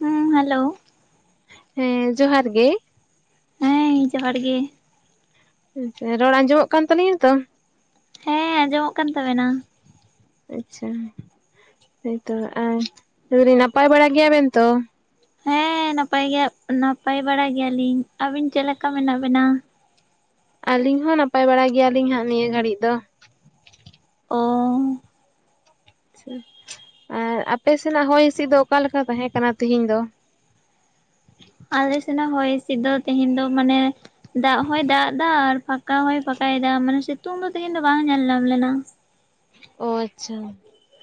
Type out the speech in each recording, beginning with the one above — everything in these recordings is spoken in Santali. ᱦᱩᱸ ᱦᱮᱞᱳ ᱦᱮᱸ ᱡᱚᱦᱟᱨ ᱜᱮ᱾ ᱦᱮᱸ ᱡᱚᱦᱟᱨ ᱜᱮ᱾ [unintelligible] ᱨᱚᱲ ᱟᱸᱡᱚᱢᱚᱜ ᱠᱟᱱ ᱛᱟᱞᱤᱧᱟ ᱛᱚ ᱦᱮᱸ ᱟᱸᱡᱚᱢᱚᱜ ᱠᱟᱱ ᱛᱟᱵᱮᱱᱟ᱾ ᱟᱪᱪᱷᱟ ᱦᱳᱭᱛᱚ ᱟᱨ ᱱᱟᱯᱟᱭ ᱵᱟᱲᱟ ᱜᱮᱭᱟ ᱵᱮᱱ ᱛᱚ᱾ ᱦᱮᱸ ᱱᱟᱯᱟᱭ ᱜᱮᱭᱟ ᱱᱟᱯᱟᱭ ᱵᱟᱲᱟ ᱜᱮᱭᱟᱞᱤᱧ ᱾ ᱟᱹᱵᱤᱱ ᱪᱮᱞᱮᱠᱟ ᱢᱮᱱᱟᱜ ᱵᱮᱱᱟ? ᱟᱹᱞᱤᱧ ᱦᱚᱸ ᱱᱟᱯᱟᱭ ᱵᱟᱲᱟ ᱜᱮᱭᱟᱞᱤᱧ ᱦᱟᱸᱜ ᱱᱤᱭᱟᱹ ᱜᱷᱟᱹᱲᱤᱡ ᱫᱚ᱾ ᱚᱸ ᱟᱪᱪᱷᱟ, ᱟᱨ ᱟᱯᱮ ᱥᱮᱱᱟᱜ ᱦᱚᱭ ᱦᱤᱸᱥᱤᱫ ᱫᱚ ᱚᱠᱟᱞᱮᱠᱟ ᱛᱟᱦᱮᱸ ᱠᱟᱱᱟ ᱛᱤᱦᱤᱧ ᱫᱚ? ᱟᱞᱮ ᱥᱮᱱᱟᱜ ᱦᱚᱭ ᱦᱥᱤᱫ ᱫᱚ, ᱛᱮᱦᱮᱧ ᱫᱚ ᱢᱟᱱᱮ ᱫᱟᱜ ᱦᱚᱭ ᱫᱟᱜ ᱫᱟ ᱟᱨ ᱯᱷᱟᱸᱠᱟ ᱦᱚᱸᱭ ᱯᱷᱟᱸᱟᱭ ᱫᱟ, ᱢᱟᱱᱮ ᱥᱤᱛᱩᱝ ᱫᱚ ᱛᱦᱤᱱ ᱫᱚ ᱵᱟᱝ ᱧᱮᱞ ᱧᱟᱢ ᱞᱮᱱᱟ᱾ ᱚ ᱟᱪᱪᱷᱟ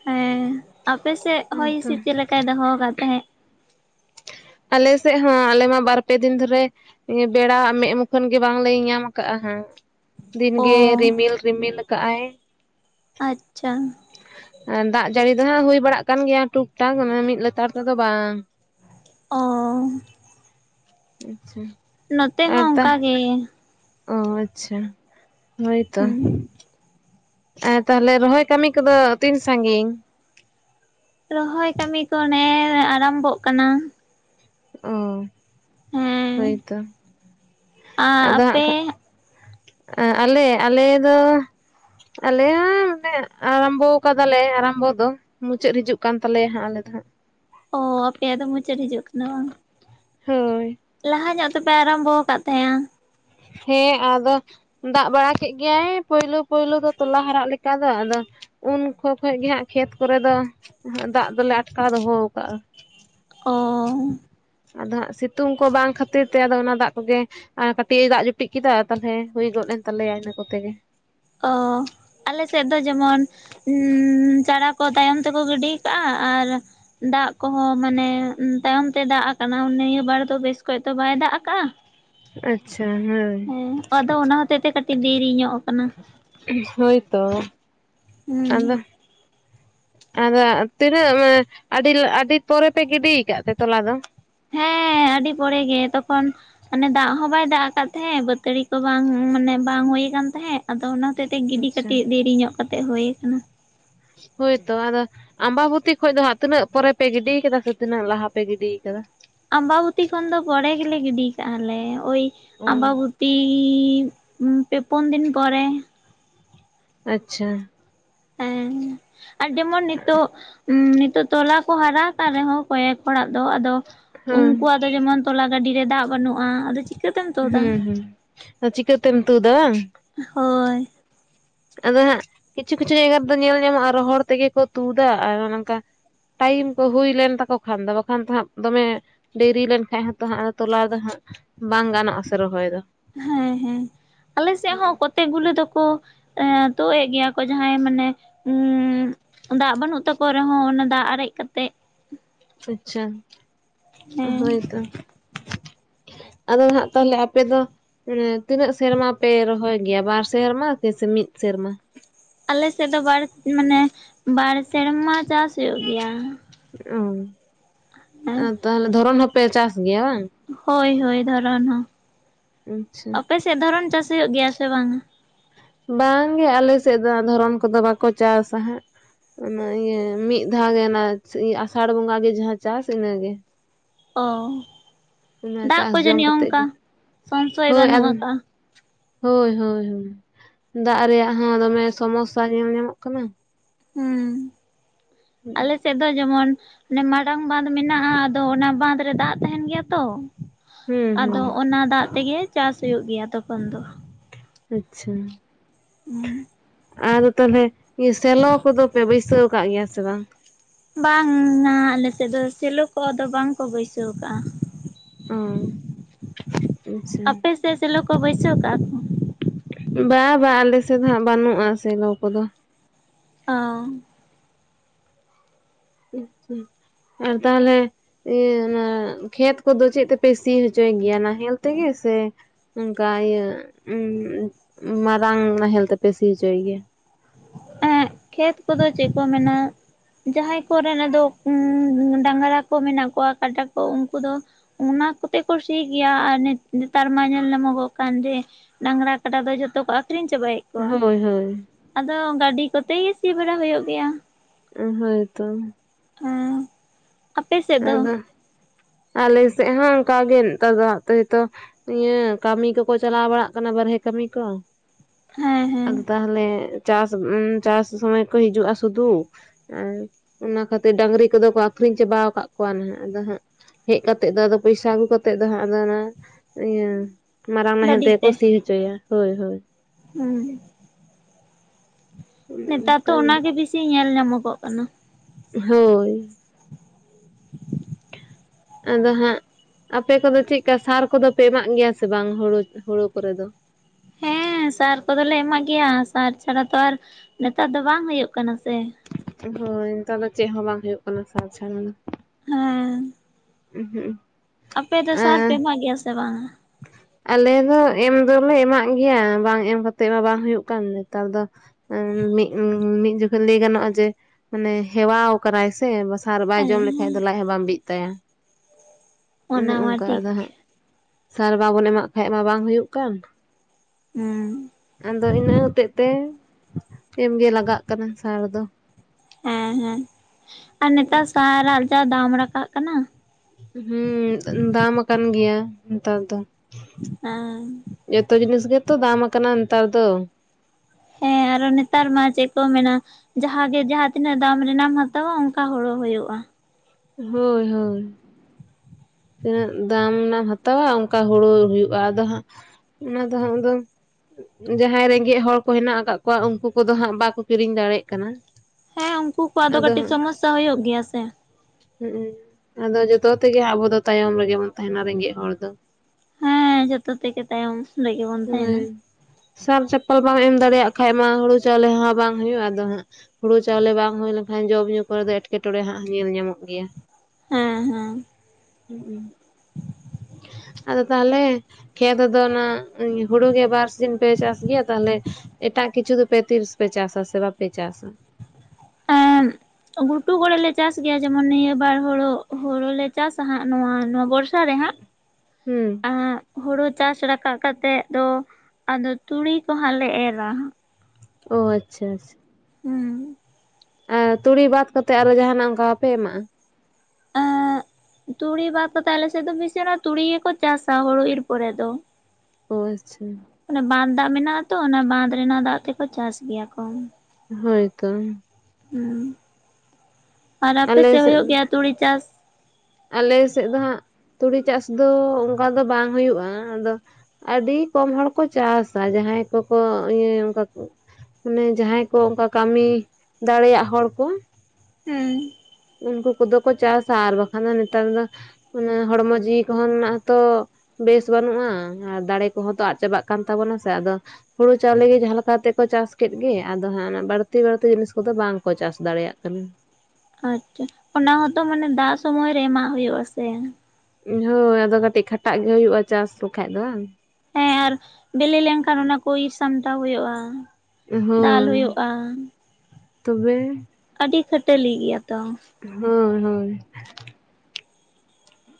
ᱦᱮᱸ ᱟᱯᱮᱥᱮᱜ ᱦᱚᱭ ᱦᱮᱸᱛᱚ ᱦᱤᱸᱥᱤᱫ ᱪᱮᱜ ᱞᱮᱠᱟᱭ ᱫᱚᱦᱚ ᱠᱟᱜ ᱛᱟᱦᱮᱸᱜ? ᱟᱞᱮᱥᱮᱜ ᱦᱚᱸ ᱟᱞᱮ ᱢᱟ ᱵᱟᱨ ᱯᱮ ᱫᱤᱱ ᱫᱷᱚᱨᱮ ᱤᱭᱟᱹ ᱵᱮᱲᱟᱭᱟᱜ ᱢᱮᱜ ᱢᱩᱠᱷᱚᱱ ᱜᱮ ᱵᱟᱝᱞᱮ ᱧᱮᱧᱟᱢ ᱠᱟᱜᱼᱟ ᱦᱟᱸ ᱚ ᱫᱤᱱᱜᱮ ᱨᱤᱢᱤᱞ ᱨᱤᱢᱤᱞ ᱠᱟᱜᱼᱟᱭ ᱟᱪᱪᱷᱟ ᱫᱟᱜ ᱡᱟᱹᱲᱤ ᱫᱚ ᱦᱟᱸᱜ ᱦᱩᱭ ᱵᱟᱲᱟᱜ ᱠᱟᱱ ᱜᱮᱭᱟ ᱴᱩᱠ ᱴᱟᱠ ᱢᱟᱱᱮ ᱢᱤᱫ ᱞᱮᱛᱟᱲ ᱛᱮᱫᱚ ᱵᱟᱝ᱾ ᱚ ᱟᱪᱪᱷᱟ ᱱᱚᱛᱮ ᱟᱨ ᱦᱚᱸ ᱛᱟ ᱚᱝᱠᱟ ᱜᱮ᱾ ᱚ ᱟᱪᱪᱷᱟ ᱦᱳᱭᱛᱚ ᱦᱩᱸ ᱮ ᱛᱟᱦᱚᱞᱮ ᱨᱚᱦᱚᱭ ᱠᱟᱹᱢᱤ ᱠᱚᱫᱚ ᱛᱤᱱ ᱥᱟᱺᱜᱤᱧ? ᱨᱚᱦᱚᱭ ᱠᱟᱹᱢᱤ ᱠᱚ ᱚᱱᱮ ᱟᱨᱟᱢᱵᱚᱜ ᱠᱟᱱᱟ ᱚᱸ ᱦᱮ ᱛᱚ ᱟᱸ ᱟᱯᱮ? ᱟᱞᱮ ᱟᱞᱮ ᱫᱚ ᱟᱞᱮᱦᱚ ᱢᱟᱱᱮ ᱟᱨᱟᱢᱵᱚᱣ ᱠᱟᱫᱟᱞᱮ ᱟᱨᱟᱢᱵᱚ ᱫᱚ᱾ ᱢᱩᱪᱟᱹᱫ ᱦᱤᱡᱩᱜ ᱠᱟᱱ ᱛᱟᱞᱮᱭᱟ ᱦᱟᱸᱜ ᱟᱞᱮ ᱫᱚ ᱦᱟᱸᱜ ᱚᱸ ᱟᱯᱮᱭᱟᱜ ᱫᱚ ᱢᱩᱪᱟᱹᱫ ᱦᱤᱡᱩᱜ ᱠᱟᱱᱟ ᱵᱟᱝ ᱦᱳᱭ ᱞᱟᱦᱟ ᱧᱚᱜ ᱫᱚ ᱵᱟᱭ ᱟᱨᱟᱢᱵᱚ ᱠᱟᱜ ᱛᱟᱦᱮᱸᱼᱟ ᱦᱮᱸ ᱟᱫᱚ ᱫᱟᱜ ᱵᱟᱲᱟ ᱠᱮᱜ ᱜᱮᱭᱟᱭ ᱯᱳᱭᱞᱳ ᱯᱳᱭᱞᱳ ᱫᱚ ᱛᱚᱞᱟ ᱦᱟᱨᱟᱜ ᱞᱮᱠᱟ ᱫᱚ ᱟᱫᱚ ᱩᱱᱠᱚ ᱠᱷᱚᱡ ᱜᱮ ᱦᱟᱸᱜ ᱠᱷᱮᱛ ᱠᱚᱨᱮ ᱫᱚ ᱫᱟᱜ ᱫᱚᱞᱮ ᱟᱴᱠᱟᱣ ᱫᱚᱦᱚ ᱠᱟᱜᱼᱟ ᱚᱸ ᱟᱫᱚ ᱦᱟᱸᱜ ᱥᱤᱛᱩᱝ ᱠᱚ ᱵᱟᱝ ᱠᱷᱟᱹᱛᱤᱨ ᱛᱮ ᱟᱫᱚ ᱚᱱᱟ ᱫᱟᱜ ᱠᱚᱜᱮ ᱟᱨ ᱠᱟᱹᱴᱤᱡ ᱮ ᱫᱟᱜ ᱡᱩᱴᱩᱡ ᱠᱮᱫᱟ ᱛᱟᱞᱦᱮ ᱦᱩᱭ ᱜᱚᱫ ᱞᱮᱱ ᱛᱟᱞᱮᱭᱟ ᱤᱱᱟᱹ ᱠᱚᱛᱮᱜᱮ ᱚ ᱟᱞ ᱥᱮᱫ ᱫᱚ ᱡᱮᱢᱚᱱ ᱪᱟᱨᱟ ᱠᱚ ᱛᱟᱭᱚᱢ ᱛᱮᱠᱚ ᱜᱤᱰᱤ ᱠᱟᱜᱼᱟ ᱟᱨ ᱫᱟᱜ ᱠᱚᱦᱚᱸ ᱢᱟᱱᱮ ᱛᱟᱭᱚᱢ ᱛᱮ ᱫᱟᱜ ᱟᱠᱟᱱᱟ ᱱᱤᱭᱟᱹ ᱵᱟᱨ ᱫᱚ ᱵᱮᱥ ᱠᱚᱡ ᱫᱚ ᱵᱟᱭ ᱫᱟᱜ ᱟᱠᱟᱜᱼᱟ ᱟᱪᱪᱷᱟ ᱦᱮᱸ ᱦᱮᱸ ᱟᱫᱚ ᱚᱱᱟ ᱦᱚᱛᱮᱜ ᱛᱮ ᱠᱟᱹᱴᱤᱡ ᱫᱮᱭᱨᱤ ᱧᱚᱜ ᱠᱟᱱᱟ᱾ ᱦᱳᱭᱛᱚ ᱟᱫᱚ ᱦᱩᱸ ᱟᱫᱚ ᱟᱸ ᱛᱤᱱᱟᱹᱜ ᱢᱟᱱᱮ ᱟᱹᱰᱤ ᱟᱹᱰᱤ ᱯᱚᱨᱮ ᱯᱮ ᱜᱤᱰᱤ ᱠᱟᱜ ᱛᱮ ᱛᱚᱞᱟ ᱫᱚ ᱦᱮᱸ ᱟᱹᱰᱤ ᱯᱚᱨᱮ ᱜᱮ ᱛᱚᱠᱷᱚᱱ ᱢᱟᱱᱮ ᱫᱟᱜ ᱦᱚᱸ ᱵᱟᱭ ᱫᱟᱜ ᱟᱠᱟᱜ ᱛᱟᱦᱮᱸᱜ ᱵᱟᱹᱛᱟᱹᱲᱤ ᱠᱚ ᱵᱟᱝ ᱢᱟᱱᱮ ᱵᱟᱝ ᱦᱳᱭ ᱠᱟᱱ ᱛᱟᱦᱮᱸᱜ ᱟᱫᱚ ᱚᱱᱟ [unintelligible] ᱛᱮ ᱜᱤᱰᱤ ᱟᱪᱪᱷᱟ ᱠᱟᱴᱤᱡ ᱫᱮᱭᱨᱤᱧᱚᱜ ᱠᱟᱛᱮᱜ ᱦᱳᱭ ᱠᱟᱱᱟ ᱦᱳᱭᱛᱚ ᱟᱫᱚ ᱟᱢᱵᱟᱵᱚᱛᱤ ᱠᱷᱚᱡ ᱫᱚ ᱦᱟᱸᱜ ᱛᱤᱱᱟᱹᱜ ᱯᱚᱨᱮ ᱯᱮ ᱜᱤᱰᱤ ᱠᱟᱫᱟ ᱥᱮ ᱛᱤᱱᱟᱹᱜ ᱞᱟᱦᱟ ᱯᱮ ᱜᱤᱰᱤ ᱠᱟᱫᱟ? ᱟᱢᱵᱟᱵᱩᱛᱤ ᱠᱷᱚᱱ ᱫᱚ ᱯᱚᱨᱮ ᱜᱮᱞᱮ ᱜᱤᱰᱤ ᱠᱟᱜᱼᱟ ᱞᱮ ᱳᱭ ᱚ ᱟᱢᱵᱟᱵᱩ ᱛᱤ ᱯᱮ ᱯᱷᱳᱱ ᱫᱤᱱ ᱯᱚᱨᱮ ᱟᱪᱪᱷᱟ ᱦᱮᱸ ᱟᱨ ᱰᱮᱢᱚᱱ ᱱᱤᱛᱚᱜ ᱱᱤᱛᱚᱜ ᱛᱚᱞᱟ ᱠᱚ ᱦᱟᱨᱟ ᱟᱠᱟᱱ ᱨᱮᱦᱚᱸ ᱠᱚᱭᱮᱠ ᱦᱚᱲᱟᱜ ᱫᱚ ᱟᱫᱚ ᱦᱮᱸ ᱩᱱᱠᱩᱣᱟᱜ ᱫᱚ ᱡᱮᱢᱚᱱ ᱛᱚᱞᱟ ᱜᱟᱹᱰᱤ ᱨᱮ ᱫᱟᱜ ᱵᱟᱹᱱᱩᱜᱼᱟ ᱟᱫᱚ ᱪᱤᱠᱠᱟᱛᱮᱢ ᱛᱩᱫᱟ ᱦᱩᱸ ᱦᱩᱸ ᱪᱤᱠᱟᱹᱛᱮᱢ ᱛᱩᱫᱟ ᱵᱟᱝ ᱦᱳᱭ᱾ ᱟᱫᱚ ᱦᱟᱸᱜ ᱠᱤᱪᱷᱩ ᱠᱤᱪᱷᱩ ᱡᱟᱭᱜᱟ ᱨᱮᱫᱚ ᱧᱮᱞ ᱧᱟᱢᱚᱜᱼᱟ ᱨᱚᱦᱚᱲ ᱛᱮᱜᱮ ᱠᱚ ᱛᱩᱫᱟ ᱟᱨ ᱱᱚᱝᱠᱟ ᱴᱟᱭᱤᱢ ᱠᱚ ᱦᱩᱭ ᱞᱮᱱ ᱛᱟᱠᱚ ᱠᱷᱟᱱ ᱫᱚ ᱵᱟᱠᱷᱟᱱ ᱫᱚ ᱦᱟᱸᱜ ᱫᱚᱢᱮ ᱰᱮᱨᱤ ᱞᱮᱱᱠᱷᱟᱱ ᱦᱚᱸᱛᱚ ᱛᱚᱞᱟᱫᱚ ᱦᱟᱸᱜ ᱵᱟᱝ ᱜᱟᱱᱚᱜ ᱟᱥᱮ ᱨᱚᱦᱚᱭ ᱫᱚ᱾ ᱦᱮᱸ ᱦᱮᱸ ᱟᱞᱮ ᱥᱮᱫ ᱦᱚᱸ ᱠᱚᱛᱮᱠ ᱜᱩᱞᱤ ᱫᱚᱠᱚ ᱮᱸ ᱛᱳᱜ ᱮᱜ ᱜᱮᱭᱟ ᱠᱚ ᱡᱟᱦᱟᱸᱭ ᱢᱟᱱᱮ ᱫᱟᱜ ᱵᱟᱹᱱᱩᱜ ᱛᱟᱠᱚ ᱨᱮᱦᱚᱸ ᱚᱱᱟ ᱫᱟᱜ ᱟᱨᱮᱡ ᱠᱟᱛᱮᱜ ᱟᱪᱪᱷᱟ ᱦᱮᱸ ᱦᱳᱭ ᱛᱚ [unintelligible] ᱟᱫᱚ ᱦᱟᱸᱜ ᱛᱟᱦᱚᱞᱮ ᱟᱯᱮ ᱫᱚ ᱢᱮ ᱛᱤᱱᱟᱹᱜ ᱥᱮᱨᱢᱟ ᱯᱮ ᱨᱚᱦᱚᱭ ᱜᱮᱭᱟ, ᱵᱟᱨ ᱥᱮᱨᱢᱟ ᱥᱮ ᱢᱤᱫ ᱥᱮᱨᱢᱟ? ᱟᱞᱮᱥᱮᱫ ᱫᱚ ᱵᱟᱨ ᱢᱟᱱᱮ ᱵᱟᱨ ᱥᱮᱨᱢᱟ ᱪᱟᱥ ᱦᱩᱭᱩᱜ ᱜᱮᱭᱟ᱾ ᱚ, ᱛᱟᱦᱚᱞᱮ ᱫᱷᱚᱨᱚᱱ ᱦᱚᱸᱯᱮ ᱪᱟᱥ ᱜᱮᱭᱟ ᱵᱟᱝ? ᱦᱳᱭ ᱦᱳᱭ ᱫᱷᱚᱨᱚᱱ ᱦᱚᱸ, ᱟᱪᱪᱷᱟ ᱟᱯᱮᱥᱮᱫ ᱫᱷᱚᱨᱚᱱ ᱪᱟᱥ ᱦᱩᱭᱩᱜ ᱜᱮᱭᱟ ᱥᱮ ᱵᱟᱝᱟ? ᱵᱟᱝᱜᱮ ᱟᱞᱮ ᱥᱮᱫ ᱫᱚ ᱫᱷᱚᱨᱚᱱ ᱠᱚᱫᱚ ᱵᱟᱠᱚ ᱪᱟᱥᱟ ᱦᱟᱸᱜ᱾ ᱚᱱᱟ ᱤᱭᱟᱹ ᱢᱤᱫ ᱫᱷᱟᱣ ᱜᱮ ᱚᱱᱟ ᱟᱥᱟᱲ ᱵᱚᱸᱜᱟ ᱜᱮ ᱡᱟᱦᱟᱸ ᱪᱟᱥ ᱤᱱᱟᱹᱜᱮ᱾ ᱚ ᱚᱱᱟ ᱫᱟᱜ ᱪᱟᱥ ᱠᱚ ᱡᱚᱢ ᱡᱟᱹᱱᱤᱡ ᱠᱟᱛᱮᱜ ᱚᱱᱠᱟ ᱜᱮ ᱥᱚᱝᱥᱚᱭ ᱦᱳᱭ ᱟᱨ ᱵᱟᱹᱱᱩᱜ ᱟᱠᱟᱫᱼᱟ᱾ ᱦᱳᱭ ᱦᱳᱭ ᱦᱳᱭ ᱫᱟᱜ ᱨᱮᱭᱟᱜ ᱦᱚᱸ ᱫᱚᱢᱮ ᱥᱚᱢᱚᱥᱥᱟ ᱧᱮᱞ ᱧᱟᱢᱚᱜ ᱠᱟᱱᱟ᱾ ᱦᱮᱸ ᱟᱞᱮ ᱟ ᱥᱮᱫ ᱫᱚ ᱡᱮᱢᱚᱱ ᱚᱱᱮ ᱢᱟᱨᱟᱝ ᱵᱟᱸᱫ ᱢᱮᱱᱟᱜᱼᱟ ᱟᱫᱚ ᱚᱱᱟ ᱵᱟᱸᱫ ᱨᱮ ᱫᱟᱜ ᱛᱟᱦᱮᱸᱱ ᱜᱮᱭᱟ ᱛᱚ᱾ ᱦᱩᱸ ᱦᱩᱸ ᱟᱫᱚ ᱚᱱᱟ ᱫᱟᱜ ᱛᱮᱜᱮ ᱪᱟᱥ ᱦᱩᱭᱩᱜ ᱜᱮᱭᱟ ᱛᱚᱠᱷᱚᱱ ᱫᱚ᱾ ᱟᱪᱪᱷᱟ [unintelligible] ᱟᱫᱚ ᱛᱟᱦᱚᱞᱮ ᱥᱮᱞᱚ ᱠᱚᱫᱚ ᱯᱮ ᱵᱟᱹᱭᱥᱟᱹᱣ ᱠᱟᱫ ᱜᱮᱭᱟ ᱥᱮ ᱵᱟᱝ? ᱵᱟᱝ ᱟ ᱟᱞᱮᱥᱮᱫ ᱫᱚ ᱥᱮᱞᱚ ᱠᱚ ᱫᱚ ᱵᱟᱝᱠᱚ ᱵᱟᱹᱭᱥᱟᱹᱣ ᱟᱠᱟᱜᱼᱟ᱾ ᱚ ᱟᱪᱪᱷᱟ ᱟᱯᱮ ᱥᱮᱫ ᱥᱮᱠᱚ ᱠᱚ ᱵᱟᱹᱭᱥᱟᱹᱣ ᱠᱟᱜᱼᱟ ᱠᱚ? ᱵᱟ ᱵᱟᱝ ᱟᱞᱮᱥᱮᱫ ᱫᱚ ᱵᱟᱹᱱᱩᱜᱼᱟ ᱥᱮᱞᱚ ᱠᱚᱫᱚ᱾ ᱚ ᱟᱪ ᱪᱷᱟ ᱟᱨ ᱛᱟᱦᱚᱞᱮ ᱤᱭᱟᱹ ᱚᱱᱟ ᱠᱷᱮᱛ ᱠᱚᱫᱚ ᱪᱮᱫ ᱛᱮᱯᱮ ᱥᱤ ᱦᱚᱪᱚᱭ ᱜᱮᱭᱟ? ᱦᱮᱞ ᱛᱮᱜᱮ ᱥᱮ ᱚᱱᱠᱟ ᱤᱭᱟᱹ ᱢᱟᱨᱟᱝ ᱱᱟᱦᱮᱞ ᱛᱮᱯᱮ ᱥᱤ ᱦᱚᱪᱚᱭ ᱜᱮᱭᱟ? ᱮᱸᱜ ᱠᱷᱮᱛ ᱠᱚᱫᱚ ᱪᱮᱫ ᱠᱚ ᱢᱮᱱᱟ ᱡᱟᱦᱟᱸᱭ ᱠᱚᱨᱮᱱ ᱟᱫᱚ ᱰᱟᱝᱨᱟ ᱠᱚ ᱢᱮᱱᱟᱜ ᱠᱚᱣᱟ ᱠᱟᱰᱟ ᱠᱚ ᱩᱱᱠᱩ ᱫᱚ ᱚᱱᱟ ᱠᱚᱛᱮ ᱠᱩ ᱥᱤ ᱜᱮᱭᱟ ᱟᱨ ᱱᱮᱛᱟᱨ ᱢᱟ ᱧᱮᱞ ᱧᱟᱢᱚᱜᱚᱜ ᱠᱟᱱ ᱡᱮ ᱰᱟᱝᱨᱟ ᱠᱟᱰᱟ ᱫᱚ ᱡᱚᱛᱚ ᱠᱚ ᱟᱠᱷᱨᱤᱧ ᱪᱟᱵᱟᱭ ᱦᱳᱭ ᱦᱳᱭ ᱟᱫᱚ ᱜᱟᱹᱰᱤ ᱠᱚᱛᱮ ᱜᱮ ᱥᱤ ᱵᱟᱲᱟ ᱦᱩᱭᱩᱜ ᱜᱮᱭᱟ᱾ ᱦᱳᱭᱛᱚ ᱦᱮᱸ ᱟᱯᱮ ᱥᱮᱫ ᱫᱚ ᱟᱫᱚ ᱟᱞᱮ ᱥᱮᱫ ᱦᱚᱸ ᱚᱱᱠᱟ ᱜᱮ ᱱᱮᱛᱟᱨ ᱫᱚ ᱫᱟᱜᱛᱮ ᱛᱚ, ᱤᱭᱟᱹ ᱠᱟᱹᱢᱤ ᱠᱚᱠᱚ ᱪᱟᱞᱟᱣ ᱵᱟᱲᱟᱜ ᱠᱟᱱᱟ ᱵᱟᱨᱦᱮ ᱠᱟᱹᱢᱤ ᱠᱚ, ᱦᱮᱸ ᱦᱮᱸ ᱟᱫᱚ ᱛᱟᱦᱞᱮ ᱪᱟᱥ ᱩ ᱪᱟᱥ ᱥᱚᱢᱚᱭ ᱠᱚ ᱦᱤᱡᱩᱜᱼᱟ ᱥᱩᱫᱩ, ᱟᱨ ᱚᱱᱟ ᱠᱷᱟᱹᱛᱤᱨ ᱰᱟᱝᱨᱤ ᱠᱚᱫᱚ ᱠᱚ ᱟᱠᱷᱨᱤᱧ ᱪᱟᱵᱟ ᱟᱠᱟ ᱠᱚ ᱱᱟ ᱟᱫᱚ ᱦᱟᱸᱜ ᱦᱮᱡ ᱠᱟᱛᱮᱜ ᱫᱚᱫᱚ ᱯᱚᱭᱥᱟ ᱟᱹᱜᱩ ᱠᱟᱛᱮᱜ ᱫᱚ ᱦᱟᱸᱜ ᱟᱫᱚ ᱚᱱᱟ ᱤᱭᱟᱹ ᱢᱟᱨᱟᱝ ᱱᱟᱦᱮᱞ ᱜᱟᱹᱰᱤ ᱛᱮᱠᱚ ᱛᱮ ᱥᱤ ᱦᱚᱪᱚᱭᱟ᱾ ᱦᱳᱭ ᱦᱳᱭ ᱦᱩᱸ ᱱᱮᱛᱟᱨ ᱛᱚ ᱚᱱᱠᱟᱜᱮ ᱚᱱᱟᱜᱮ ᱵᱤᱥᱤ ᱧᱮᱞ ᱧᱟᱢᱚᱜᱚᱜ ᱠᱟᱱᱟ᱾ ᱦᱳᱭ [inaudible] ᱟᱫᱚ ᱦᱟᱸᱜ ᱟᱯᱮ ᱠᱚᱫᱚ ᱪᱮᱫᱠᱟ ᱥᱟᱨ ᱠᱚᱫᱚ ᱯᱮ ᱮᱢᱟᱜ ᱜᱮᱭᱟ ᱥᱮ ᱵᱟᱝ ᱦᱩᱲᱩ ᱦᱩᱲᱩ ᱠᱚᱨᱮ ᱫᱚ? ᱦᱮ ᱥᱟᱨ ᱠᱚᱫᱚᱞᱮ ᱮᱢᱟᱜ ᱜᱮᱭᱟ ᱥᱟᱨ ᱪᱷᱟᱲᱟ ᱛᱚ ᱟᱨ ᱱᱮᱛᱟᱨ ᱫᱚ ᱵᱟᱝ ᱦᱩᱭᱩᱜ ᱠᱟᱱᱟ ᱥᱮ᱾ ᱦᱳᱭ ᱱᱮᱛᱟᱨ ᱫᱚ ᱪᱮᱫ ᱦᱚᱸ ᱵᱟᱝ ᱦᱩᱭᱩᱜ ᱠᱟᱱᱟ ᱥᱟᱨ ᱪᱷᱟᱲᱟ᱾ ᱦᱮᱸ ᱦᱩᱸ ᱟᱯᱮ ᱫᱚ ᱥᱟᱨ ᱯᱮ ᱮᱢᱟᱜ ᱜᱮᱭᱟ ᱥᱮ ᱵᱟᱝᱟ? ᱟᱞᱮ ᱫᱚ ᱮᱢ ᱫᱚᱞᱮ ᱮᱢᱟᱜ ᱜᱮᱭᱟ ᱵᱟᱝ ᱮᱢ ᱠᱟᱛᱮᱫ ᱢᱟ ᱵᱟᱝ ᱦᱩᱭᱩᱜ ᱠᱟᱱ ᱱᱮᱛᱟᱨ ᱫᱚ᱾ ᱢᱤᱫ ᱢᱤᱫ ᱡᱚᱠᱷᱚᱱ ᱞᱟᱹᱭ ᱜᱟᱱᱚᱜᱼᱟ ᱡᱮ ᱢᱟᱱᱮ ᱦᱮᱣᱟᱠᱟᱭ ᱥᱮ ᱵᱟ ᱥᱟᱨ ᱵᱟᱭ ᱦᱮᱸ ᱡᱚᱢ ᱞᱮᱠᱷᱷᱟᱡ ᱦᱮᱸ ᱫᱚ ᱞᱟᱡ ᱦᱚᱸ ᱵᱟᱝ ᱵᱤᱜ ᱛᱟᱭᱟ ᱚᱱᱮ ᱚᱱᱟ ᱢᱟ ᱚᱱᱠᱟ ᱴᱷᱤᱠ ᱟᱫᱚ ᱦᱟᱸᱜ ᱥᱟᱨ ᱵᱟᱵᱚᱱ ᱮᱢᱟᱜ ᱠᱷᱟᱡ ᱢᱟ ᱵᱟᱝ ᱦᱩᱭᱩᱜ ᱠᱟᱱ ᱦᱩᱸ ᱟᱫᱚ ᱤᱱᱟᱹ ᱦᱚᱛᱮᱜ ᱛᱮ ᱮᱢᱜᱮ ᱞᱟᱜᱟᱜ ᱠᱟᱱᱟ ᱥᱟᱨ ᱫᱚ᱾ ᱦᱮᱸ ᱦᱮᱸ ᱟᱨ ᱱᱮᱛᱟᱨ ᱥᱟᱨᱟᱜ ᱡᱟ ᱫᱟᱢ ᱨᱟᱠᱟᱵ ᱠᱟᱱᱟ᱾ ᱦᱮᱸ ᱫᱟᱢ ᱟᱠᱟᱱ ᱜᱮᱭᱟ ᱱᱮᱛᱟᱨ ᱫᱚ ᱦᱮᱸ ᱡᱚᱛᱚ ᱡᱤᱱᱤᱥ ᱜᱮᱛᱚ ᱫᱟᱢ ᱟᱠᱟᱱᱟ ᱱᱮᱛᱟᱨ ᱫᱚ ᱦᱮᱸ ᱟᱨᱚ ᱱᱮᱛᱟᱨ ᱢᱟ ᱪᱮᱫ ᱠᱚ ᱢᱮᱱᱟ ᱡᱟᱦᱟᱸᱜᱮ ᱡᱟᱦᱟᱸ ᱛᱤᱱᱟᱹᱜ ᱫᱟᱢ ᱨᱮᱱᱟᱜ ᱮᱢ ᱦᱟᱛᱟᱣᱟ ᱚᱱᱠᱟ ᱦᱳᱲᱳ ᱦ ᱦᱩᱭᱩᱜᱼᱟ᱾ ᱦᱳᱭ ᱦᱳᱭ ᱛᱤᱱᱟᱹᱜ ᱫᱟᱢ ᱱᱟ ᱮᱢ ᱦᱟᱛᱟᱣᱟ ᱚᱱᱠᱟ ᱦᱩᱲᱩ ᱦᱩᱭᱩᱜᱼᱟ ᱟᱫᱚ ᱦᱟᱸᱜ ᱚᱱᱟ ᱫᱚ ᱦᱟᱸᱜ ᱟᱫᱚ ᱡᱟᱦᱟᱸᱭ ᱨᱮᱸᱜᱮᱡ ᱦᱚᱲ ᱠᱚ ᱦᱮᱱᱟᱜ ᱟᱠᱟᱫ ᱠᱚᱣᱟ ᱩᱱᱠᱩ ᱠᱚᱫᱚ ᱦᱟᱸᱜ ᱵᱟᱠᱚ ᱠᱤᱨᱤᱧ ᱫᱟᱲᱮᱭᱟᱜ ᱠᱟᱱᱟ᱾ ᱦᱮᱸ ᱩᱱᱠᱩ ᱠᱚᱣᱟᱜ ᱫᱚ ᱠᱟᱹᱴᱤᱡ ᱥᱳᱚᱢᱚᱥᱥᱟ ᱦᱩᱭᱩᱜ ᱜᱮᱭᱟ ᱥᱮ ᱦᱮᱸ ᱟᱫᱚ ᱡᱚᱛᱚ ᱛᱮᱜᱮ ᱟᱵᱚ ᱫᱚ ᱛᱟᱭᱚᱢ ᱨᱮᱜᱮ ᱵᱚᱱ ᱛᱟᱦᱮᱱᱟ ᱨᱮᱸᱜᱮᱡ ᱦᱚᱲ ᱫᱚ ᱦᱮᱸ ᱡᱚᱛᱚ ᱛᱮᱜᱮ ᱛᱟᱭᱚᱢ ᱨᱮᱜᱮ ᱵᱚᱱ ᱛᱟᱦᱮᱱᱟ ᱦᱳᱭ ᱥᱟᱨ ᱪᱟᱯᱚᱱ ᱵᱟᱢ ᱮᱢ ᱫᱟᱲᱮᱭᱟᱜ ᱠᱷᱟᱡ ᱢᱟ ᱦᱩᱲᱩ ᱪᱟᱣᱞᱮ ᱦᱚᱸ ᱵᱟᱝ ᱦᱩᱭᱩᱜᱼᱟ ᱟᱫᱚ ᱦᱟᱸᱜ ᱦᱩᱲᱩ ᱪᱟᱣᱞᱮ ᱵᱟᱝ ᱦᱩᱭ ᱞᱮᱱᱠᱷᱟᱱ ᱡᱚᱢᱼ ᱧᱩ ᱠᱚᱨᱮ ᱫᱚ ᱮᱴᱠᱮᱴᱚᱬᱮ ᱦᱟᱸᱜ ᱧᱮᱞ ᱧᱟᱢᱚᱜ ᱜᱮᱭᱟ ᱦᱮᱸ ᱦᱮᱸ ᱟᱫᱚ ᱛᱟᱦᱚᱞᱮ ᱠᱷᱮᱛ ᱨᱮᱫᱚ ᱚᱱᱟ ᱦᱩᱲᱩ ᱜᱮ ᱵᱟᱨᱥᱤᱱ ᱯᱮ ᱪᱟᱥ ᱜᱮᱭᱟ ᱛᱟᱦᱞᱮ ᱮᱴᱟᱜ ᱠᱤᱪᱷᱩ ᱫᱚᱯᱮ ᱛᱤᱥ ᱯᱮ ᱪᱟᱥᱟ ᱥᱮ ᱵᱟᱯᱮ ᱪᱟᱥᱟ ᱜᱷᱩᱴᱩ ᱠᱚᱨᱮᱞᱮ ᱪᱟᱥ ᱜᱮᱭᱟ ᱡᱮᱢᱚᱱ ᱱᱤᱭᱟᱹ ᱵᱟᱨ ᱦᱩᱲᱳ ᱦᱳᱲᱳ ᱞᱮ ᱪᱟᱥᱟ ᱦᱟᱸᱜ ᱱᱚᱣᱟ ᱱᱚᱣᱟ ᱵᱚᱨᱥᱟ ᱨᱮ ᱦᱟᱸᱜ ᱦᱩᱸ ᱦᱩᱲᱩ ᱪᱟᱥ ᱨᱟᱠᱟᱵ ᱠᱟᱛᱮᱜ ᱫᱚ ᱟᱫᱚ ᱛᱩᱲᱤ ᱠᱚᱦᱟᱸ ᱞᱮ ᱮᱨᱟ ᱚ ᱟᱪᱪᱷᱟ ᱟᱪᱪᱷᱟ ᱦᱩᱸ ᱟᱨ ᱛᱩᱲᱤ ᱵᱟᱫ ᱠᱟᱛᱮᱫ ᱟᱨᱚ ᱡᱟᱦᱱᱟᱜ ᱚᱱᱠᱟ ᱵᱟᱯᱮ ᱮᱢᱟᱜᱼᱟ ᱟᱻ ᱛᱩᱲᱤ ᱵᱟᱛ ᱠᱟᱛᱮ ᱟᱞᱮ ᱥᱮᱫ ᱫᱚ ᱚᱱᱟ ᱛᱩᱲᱤ ᱜᱮᱠᱚ ᱪᱟᱥᱟ ᱦᱩᱲᱩ ᱤᱨ ᱯᱚᱨᱮ ᱫᱚ᱾ ᱚ ᱟᱪᱪᱷᱟ ᱚᱱᱮ ᱵᱟᱸᱫ ᱫᱟᱜ ᱢᱮᱱᱟᱜ ᱟᱛᱚ ᱚᱱᱟ ᱵᱟᱸᱫ ᱨᱮᱱᱟᱜ ᱫᱟᱜ ᱛᱮᱠᱚ ᱪᱟᱥ ᱜᱮᱭᱟ ᱠᱚ᱾ ᱦᱚᱭᱛᱚ ᱦᱩᱸ ᱟᱨ ᱟᱞᱮ ᱟᱯᱮᱥᱮᱫ ᱥᱮᱫ ᱦᱩᱭᱩᱜ ᱜᱮᱭᱟ ᱛᱩᱲᱤ ᱪᱟᱥ? ᱟᱞᱮ ᱥᱮᱫ ᱫᱚ ᱦᱟᱸᱜ ᱛᱩᱲᱤ ᱪᱟᱥ ᱫᱚ ᱚᱱᱠᱟ ᱫᱚ ᱵᱟᱝ ᱦᱩᱭᱩᱜᱼᱟ ᱟᱫᱚ ᱟᱹᱰᱤ ᱠᱚᱢ ᱦᱚᱲ ᱠᱚ ᱪᱟᱥᱟ ᱡᱟᱦᱟᱸᱭ ᱠᱚᱠᱚ ᱤᱭᱟᱹ ᱚᱱᱠᱟ ᱢᱟᱱᱮ ᱡᱟᱦᱟᱸᱭ ᱠᱚ ᱚᱱᱠᱟ ᱠᱟᱹᱢᱤ ᱫᱟᱲᱮᱭᱟᱜ ᱦᱚᱲ ᱠᱚ ᱦᱮᱸ ᱩᱱᱠᱩ ᱠᱚᱫᱚ ᱠᱚ ᱪᱟᱥᱟ ᱟᱨ ᱵᱟᱠᱷᱟᱱ ᱫᱚ ᱱᱮᱛᱟᱨ ᱫᱚ ᱚᱱᱟ ᱦᱚᱲᱢᱚ ᱡᱤᱣᱤ ᱠᱚᱦᱟ ᱨᱮᱱᱟᱜ ᱦᱚᱸ ᱛᱚ ᱵᱮᱥ ᱵᱟᱹᱱᱩᱜᱼᱟ ᱟᱨ ᱫᱟᱲᱮ ᱠᱚᱦᱚᱸ ᱛᱚ ᱟᱫ ᱪᱟᱵᱟᱜ ᱠᱟᱱ ᱛᱟᱵᱚᱱᱟ ᱥᱮ ᱟᱫᱚ ᱦᱩᱲᱩ ᱪᱟᱣᱞᱮ ᱜᱮ ᱡᱟᱦᱟᱸ ᱞᱮᱠᱟ ᱛᱮ ᱠᱚ ᱪᱟᱥ ᱠᱮᱫ ᱜᱮ᱾ ᱟᱫᱚ ᱦᱟᱸᱜ ᱚᱱᱟ ᱵᱟᱹᱲᱛᱤ ᱵᱟᱹᱲᱛᱤ ᱡᱤᱱᱤᱥ ᱠᱚᱫᱚ ᱵᱟᱝ ᱠᱚ ᱪᱟᱥ ᱫᱟᱲᱮᱭᱟᱜ ᱠᱟᱱᱟ᱾ ᱟᱪᱪᱷᱟ ᱚᱱᱟ ᱦᱚᱸᱛᱚ ᱢᱟᱱᱮ ᱫᱟᱜ ᱥᱚᱢᱚᱭ ᱨᱮ ᱮᱢᱟᱜ ᱦᱩᱭᱩᱜᱼᱟ ᱥᱮ ᱦᱳᱭ ᱟᱫᱚ ᱠᱟᱹᱴᱤᱡ ᱠᱷᱟᱴᱟᱜ ᱜᱮ ᱦᱩᱭᱩᱜᱼᱟ᱾ ᱪᱟᱥ ᱞᱮᱠᱷᱟᱡ ᱫᱚ ᱵᱟᱝ ᱦᱮᱸ ᱟᱨ ᱵᱮᱞᱮ ᱞᱮᱱᱠᱷᱟᱱ ᱚᱱᱟ ᱠᱚ ᱤᱨ ᱥᱟᱢᱴᱟᱣ ᱦᱩᱭᱩᱜᱼᱟ᱾ ᱦᱳᱭ ᱛᱚᱵᱮ ᱟᱹᱰᱤ ᱠᱷᱟᱹᱴᱟᱹᱞᱤ ᱜᱮᱭᱟ ᱛᱚ ᱦᱳᱭ ᱦᱳᱭ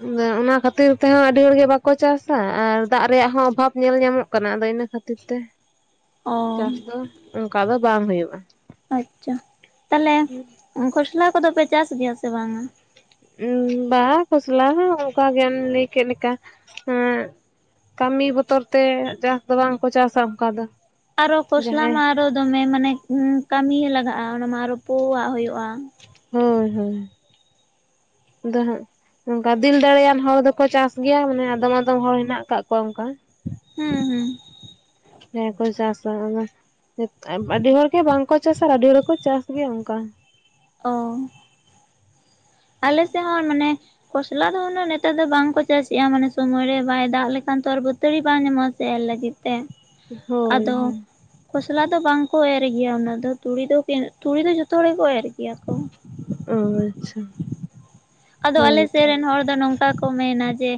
ᱟᱫᱚ ᱚᱱᱟ ᱠᱷᱟᱹᱛᱤᱨ ᱛᱮᱦᱚᱸ ᱟᱹᱰᱤ ᱦᱚᱲᱜᱮ ᱵᱟᱠᱚ ᱪᱟᱥᱟ ᱟᱨ ᱫᱟᱜ ᱨᱮᱭᱟᱜ ᱦᱚᱸ ᱚᱵᱷᱟᱵ ᱧᱮᱞ ᱧᱟᱢᱚᱜ ᱠᱟᱱᱟ᱾ ᱟᱫᱚ ᱤᱱᱟᱹ ᱠᱷᱟᱹᱛᱤᱨ ᱛᱮ ᱾ [inaudible] ᱪᱟᱥ ᱫᱚ ᱚᱱᱠᱟ ᱫᱚ ᱵᱟᱝ ᱦᱩᱭᱩᱜᱼᱟ᱾ ᱟᱪᱪᱷᱟ᱾ ᱛᱟᱦᱚᱞᱮ ᱠᱷᱚᱥᱞᱟ ᱠᱚᱫᱚ ᱯᱮ ᱪᱟᱥ ᱜᱮᱭᱟ ᱥᱮ ᱵᱟᱝᱟ? ᱵᱟ ᱠᱷᱚᱥᱞᱟ ᱦᱚᱸ ᱚᱱᱠᱟ ᱜᱮᱢ ᱞᱟᱹᱭ ᱠᱮᱫ ᱞᱮᱠᱟ ᱠᱟᱹᱢᱤ ᱵᱚᱛᱚᱨ ᱛᱮ ᱪᱟᱥ ᱫᱚ ᱵᱟᱝᱠᱚ ᱪᱟᱥᱟ ᱚᱱᱠᱟ ᱫᱚ ᱟᱨᱚ ᱠᱷᱚᱥᱞᱟ ᱢᱟ ᱡᱟᱦᱟᱸᱭ ᱟᱨᱚ ᱫᱚᱢᱮ ᱢᱟᱱᱮ ᱠᱟᱹᱢᱤ ᱞᱟᱜᱟᱜᱼᱟ ᱚᱱᱟ ᱢᱟ ᱟᱨ ᱨᱚ ᱯᱳᱣᱟᱜ ᱦᱩᱭᱩᱜᱼᱟ ᱦᱳᱭ ᱦᱳᱭ ᱫᱚ ᱦᱟᱜ ᱚᱝᱠᱟ ᱫᱤᱞ ᱫᱟᱲᱮᱭᱟᱱ ᱦᱚᱲ ᱫᱚᱠᱚ ᱪᱟᱥ ᱜᱮᱭᱟ ᱢᱟᱱᱮ ᱟᱫᱚᱢ ᱟᱫᱚᱢ ᱦᱚᱲ ᱦᱮᱱᱟᱜ ᱟᱠᱟᱜ ᱠᱚᱣᱟ ᱚᱱᱠᱟ ᱦᱩᱸ ᱦᱩᱸ ᱡᱟᱦᱟᱭ ᱠᱚ ᱪᱟᱥᱟ ᱟᱫᱚ ᱟᱹᱰᱤ ᱦᱚᱲ ᱜᱮ ᱵᱟᱝᱠᱚ ᱪᱟᱥᱟ ᱟᱹᱰᱤ ᱦᱚᱲ ᱜᱮ ᱠᱚ ᱪᱟᱥ ᱜᱮᱭᱟ ᱚᱱᱠᱟ ᱚ ᱟᱞᱮ ᱥᱮᱫ ᱦᱚᱸ ᱢᱟᱱᱮ ᱠᱷᱚᱥᱞᱟ ᱫᱚ ᱩᱱᱟᱹᱜ ᱱᱮᱛᱟᱨ ᱫᱚ ᱵᱟᱝᱠᱚ ᱪᱟᱥ ᱮᱼᱟ ᱢᱟᱱᱮ ᱥᱚᱢᱚᱭ ᱨᱮ ᱵᱟᱭ ᱫᱟᱜ ᱞᱮᱠᱷᱟᱱ ᱛᱚ ᱵᱟᱹᱛᱟᱹᱲᱤ ᱵᱟᱝ ᱧᱟᱢᱚᱜᱼᱟ ᱥᱮ ᱮᱨ ᱞᱟᱹᱜᱤᱫ ᱛᱮ ᱦᱳᱭ ᱟᱫᱚ ᱦᱳᱭ ᱠᱷᱚᱥᱞᱟ ᱫᱚ ᱵᱟᱝ ᱠᱚ ᱮᱨ ᱜᱮᱭᱟ ᱩᱱᱟᱹᱜ ᱫᱚ ᱛᱩᱲᱤ ᱫᱚ ᱛᱩᱲᱤ ᱫᱚ ᱡᱚᱛᱚ ᱦᱚᱲ ᱜᱮᱠᱚ ᱮᱨ ᱜᱮᱭᱟ ᱠᱚ᱾ ᱚ ᱟᱪᱪᱷᱟ ᱟᱫᱚ ᱟᱞᱮ ᱦᱳᱭᱛᱚ ᱥᱮᱫ ᱨᱮᱱ ᱦᱚᱲ ᱫᱚ ᱱᱚᱝᱠᱟ ᱠᱚ ᱢᱮᱱᱟ ᱡᱮ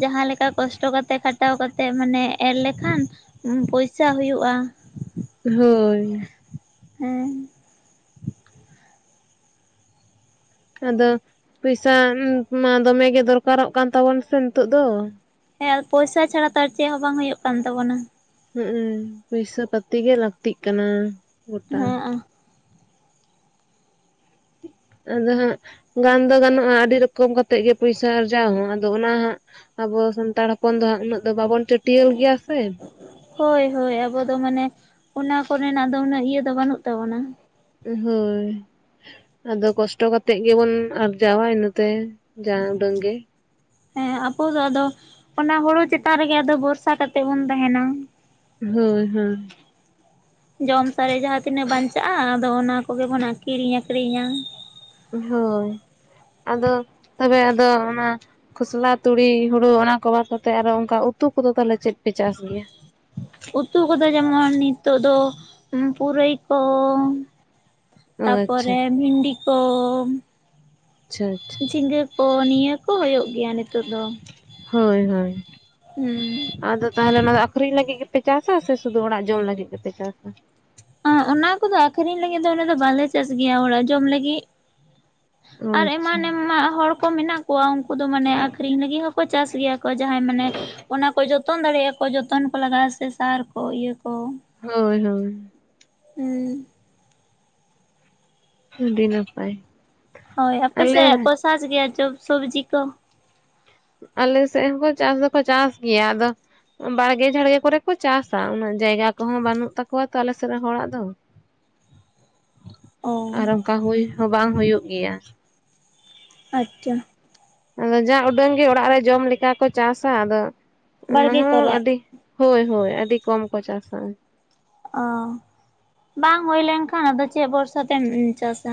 ᱡᱟᱦᱟᱸ ᱞᱮᱠᱟ ᱠᱚᱥᱴᱚ ᱠᱟᱛᱮᱜ ᱠᱷᱟᱴᱟᱣ ᱠᱟᱛᱮᱜ ᱢᱟᱱᱮ ᱮᱨ ᱞᱮᱠᱷᱟᱱ ᱯᱚᱭᱥᱟ ᱦᱩᱭᱩᱜᱼᱟ᱾ ᱦᱳᱭ ᱦᱮᱸ ᱟᱫᱚ ᱯᱚᱭᱥᱟ ᱢᱟ ᱫᱚᱢᱮᱜ ᱜᱮ ᱫᱚᱨᱠᱟᱨᱚᱜ ᱠᱟᱱ ᱛᱟᱵᱚᱱᱟ ᱥᱮ ᱱᱤᱛᱚᱜ ᱫᱚ᱾ ᱦᱮᱸ ᱟᱨ ᱯᱚᱭᱥᱟ ᱪᱷᱟᱲᱟ ᱛᱚ ᱟᱨ ᱪᱮᱫ ᱦᱚᱸ ᱵᱟᱝ ᱦᱩᱭᱩᱜ ᱠᱟᱱ ᱛᱟᱵᱚᱱᱟ ᱦᱩᱸᱜᱩ ᱯᱚᱭᱥᱟ ᱯᱟᱛᱤ ᱜᱮ ᱞᱟᱹᱠᱛᱤᱜ ᱠᱟᱱᱟ᱾ ᱜᱚᱴᱟ ᱦᱮᱸ ᱟ ᱟᱫᱚ ᱦᱟᱸᱜ ᱜᱟᱱ ᱫᱚ ᱜᱟᱱᱚᱜᱼᱟ ᱟᱹᱰᱤ ᱨᱚᱠᱚᱢ ᱠᱟᱛᱮᱜ ᱜᱮ ᱯᱚᱭᱥᱟ ᱟᱨᱡᱟᱣ ᱦᱚᱸ ᱟᱫᱚ ᱚᱱᱟ ᱦᱟᱸᱜ ᱟᱵᱚ ᱥᱟᱱᱛᱟᱲ ᱦᱚᱯᱚᱱ ᱫᱚ ᱦᱟᱸᱜ ᱩᱱᱟᱹᱜ ᱫᱚ ᱵᱟᱵᱚᱱ [unintelligible] ᱜᱮᱭᱟ ᱥᱮ ᱦᱳᱭ ᱦᱳᱭ ᱟᱵᱚ ᱢᱟᱱᱮ ᱚᱱᱟ ᱠᱚᱨᱮᱱᱟᱜ ᱫᱚ ᱩᱱᱟᱹᱜ ᱤᱭᱟᱹ ᱫᱚ ᱵᱟᱹᱱᱩᱜ ᱛᱟᱵᱚᱱᱟ᱾ ᱦᱳᱭ ᱟᱫᱚ ᱠᱚᱥᱴᱚ ᱠᱟᱛᱮᱜ ᱜᱮᱵᱚᱱ ᱟᱨᱡᱟᱣᱟ ᱤᱱᱟᱹᱛᱮ ᱡᱟ ᱩᱰᱟᱹᱝ ᱜᱮ ᱦᱮᱸ ᱟᱵᱚ ᱫᱚ ᱟᱫᱚ ᱚᱱᱟ ᱦᱩᱲᱩ ᱪᱮᱛᱟᱱ ᱨᱮᱜᱮ ᱟᱫᱚ ᱵᱚᱨᱥᱟ ᱠᱟᱛᱮᱜ ᱵᱚᱱ ᱛᱟᱦᱮᱱᱟ᱾ ᱦᱳᱭ ᱦᱳᱭ ᱡᱚᱢ ᱥᱟᱨᱮᱡ ᱡᱟᱦᱟᱸ ᱛᱤᱱᱟᱹᱜ ᱵᱟᱧᱪᱟᱜᱼᱟ᱾ ᱟᱫᱚ ᱚᱱᱟ ᱠᱚᱜᱮ ᱵᱚᱱ ᱟᱹᱠᱤᱨᱤᱧ ᱟᱹᱠᱷᱨᱤᱧᱟ᱾ ᱦᱳᱭ ᱟᱫᱚ ᱛᱚᱵᱮ ᱟᱫᱚ ᱚᱱᱟ ᱠᱷᱚᱥᱞᱟ ᱛᱩᱲᱤ ᱦᱩᱲᱳ ᱚᱱᱟ ᱠᱚ ᱵᱟᱫ ᱠᱟᱛᱮ ᱟᱨᱚ ᱚᱱᱠᱟ ᱩᱛᱩ ᱠᱚᱫᱚ ᱛᱟᱦᱚᱞᱮ ᱪᱮᱫ ᱯᱮ ᱪᱟᱥ ᱜᱮᱭᱟ? ᱩᱛᱩ ᱠᱚᱫᱚ ᱡᱮᱢᱚᱱ ᱱᱤᱛᱚᱜ ᱫᱚ ᱦᱩᱸ ᱯᱩᱨᱟᱹᱭ ᱠᱚ᱾ ᱚ ᱟᱪᱪᱷᱟ ᱛᱟᱯᱚᱨᱮ ᱵᱷᱤᱱᱰᱤ ᱠᱚᱻ ᱟᱪᱪᱷᱟ ᱟᱪᱪᱷᱟ ᱡᱷᱤᱸᱜᱟᱹ ᱠᱚ ᱱᱤᱭᱟᱹ ᱠᱚ ᱦᱩᱭᱩᱜ ᱜᱮᱭᱟ ᱱᱤᱛᱳᱜ ᱫᱚ᱾ ᱦᱳᱭ ᱦᱳᱭ᱾ ᱦᱩᱸ ᱟᱫᱚ ᱛᱟᱦᱚᱞᱮ ᱚᱱᱟ ᱫᱚ ᱟᱠᱷᱨᱤᱧ ᱞᱟᱹᱜᱤᱫ ᱜᱮᱯᱮ ᱪᱟᱥᱥᱟᱹ ᱥᱮ ᱥᱩᱫᱷᱩ ᱚᱲᱟᱜ ᱡᱚᱢ ᱞᱟᱹᱜᱤᱫ ᱜᱮᱯᱮ ᱪᱟᱥᱥᱟᱹ? ᱚᱱᱟ ᱠᱚᱫᱚ ᱟᱠᱷᱨᱤᱧ ᱞᱟᱹᱜᱤᱫ ᱫᱚ ᱚᱱᱟ ᱫᱚ ᱵᱟᱞᱮ ᱪᱟᱥ ᱜᱮᱭᱟ ᱚᱲᱟᱜ ᱡᱚᱢ ᱞᱟᱹᱜᱤᱫ᱾ ᱚ ᱟᱨ ᱟᱪᱪᱷᱟ ᱮᱢᱟᱱ ᱮᱢᱟᱱ ᱦᱚᱲ- ᱠᱚ ᱢᱮᱱᱟᱜ ᱠᱚᱣᱟ ᱩᱱᱠᱩ ᱫᱚ ᱢᱟᱱᱮ ᱟᱠᱠᱷᱨᱤᱧ ᱞᱟᱹᱜᱤᱫ ᱦᱚᱸᱠᱚ ᱪᱟᱥ ᱜᱮᱭᱟ ᱠᱚ ᱡᱟᱦᱟᱸᱭ ᱢᱟᱱᱮ᱾ ᱚᱱᱟ ᱠᱚ ᱡᱚᱛᱚᱱ ᱫᱟᱲᱮᱭᱟᱜᱼᱟ ᱠᱚ ᱡᱚᱛᱚᱱ ᱠᱚ ᱞᱟᱜᱟᱜᱼᱟ ᱥᱮ ᱥᱟᱨ ᱠᱚ ᱤᱭᱟᱹ ᱠᱚ᱾ ᱦᱳᱭ ᱦᱳᱭ᱾ ᱦᱩᱸ ᱟᱹᱰᱤ ᱱᱟᱯᱟᱭ᱾ ᱦᱳᱭ ᱟᱯ ᱟᱞᱮ ᱥᱮᱫ ᱠᱚ ᱥᱟᱪ ᱜᱮᱭᱟ ᱡᱚᱵ ᱥᱚᱵᱡᱤ ᱠᱚ? ᱟᱞᱮ ᱥᱮᱫ ᱦᱚᱸᱠᱚ ᱪᱟᱥ ᱫᱚᱠᱚ ᱪᱟᱥ ᱜᱮᱭᱟ ᱟᱫᱚ᱾ ᱵᱟᱲᱜᱮ ᱡᱷᱟᱲᱜᱮ ᱠᱚᱨᱮ ᱠᱚ ᱪᱟᱥᱟ ᱩᱱᱟᱹᱜ ᱡᱟᱭᱜᱟ ᱠᱚᱦᱚᱸ ᱵᱟᱹᱱᱩᱜ ᱛᱟᱠᱚᱣᱟ ᱛᱚ ᱟᱞᱮᱥᱮᱫ ᱨᱮᱱ ᱦᱚᱲᱟᱜ ᱫᱚ᱾ [inaudible] ᱟᱨ ᱚᱱᱠᱟ ᱦᱩᱭ ᱦᱚᱸ ᱵᱟᱝ ᱦᱩᱭᱩᱜ ᱜᱮᱭᱟ᱾ ᱟᱪᱪᱷᱟ᱾ ᱟᱫᱚ ᱡᱟ ᱩᱰᱟᱹᱝ ᱜᱮ ᱚᱲᱟᱜ ᱨᱮ ᱡᱚᱢ ᱞᱮᱠᱟ ᱠᱚ ᱪᱟᱥᱟ ᱟᱫᱚ ᱚᱱᱟ ᱵᱟᱲᱜᱮ ᱦᱚᱸ ᱠᱚᱨᱮ ᱟᱹᱰᱤᱻ ᱦᱳᱭ ᱦᱳᱭ ᱟᱹᱰᱤ ᱠᱚᱢ ᱠᱚ ᱪᱟᱥᱟ᱾ ᱚᱻ ᱵᱟᱝ ᱦᱩᱭ ᱞᱮᱱᱠᱷᱟᱱ ᱟᱫᱚ ᱪᱮᱫ ᱵᱷᱚᱨᱥᱟ ᱛᱮᱢ ᱪᱟᱥᱟᱹ᱾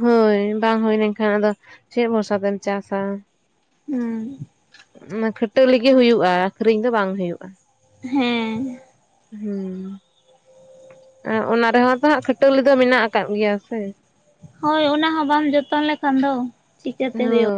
ᱦᱳᱭ ᱵᱟᱝ ᱦᱩᱭ ᱞᱮᱱᱠᱷᱟᱱ ᱟᱫᱚ ᱪᱮᱫ ᱵᱷᱚᱨᱥᱟ ᱛᱮᱢ ᱪᱟᱥᱟᱹ᱾ ᱦᱩᱸᱻ ᱚᱱᱟ ᱠᱷᱟᱹᱴᱟᱹ ᱞᱟᱹᱜᱤ ᱦᱩᱭᱩᱜᱼᱟ ᱟᱹᱷᱨᱤᱧ ᱫᱚ ᱵᱟᱝ ᱦᱩᱭᱩᱜᱼᱟ᱾ ᱦᱮᱸᱻ᱾ ᱦᱩᱸᱻ ᱚᱱᱟ ᱨᱮᱦᱚᱸ ᱛᱚ ᱦᱟᱜ ᱠᱷᱟᱹᱴᱟᱹᱞᱤ ᱫᱚ ᱢᱮᱱᱟᱜ ᱟᱠᱟᱫ ᱜᱮᱭᱟ ᱥᱮ᱾ ᱦᱳᱭ ᱚᱱᱟ ᱦᱚᱸ ᱵᱟᱢ ᱡᱚᱛᱚᱱ ᱞᱮᱠᱷᱟᱱ ᱫᱚ ᱪᱤᱠᱟᱹᱛᱮ ᱦᱳᱭ ᱦᱩᱭᱩᱜᱼᱟ᱾